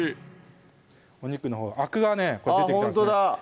お肉のほうアクが出てきてますねあっ